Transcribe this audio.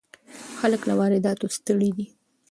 خلک له وارداتو ستړي دي.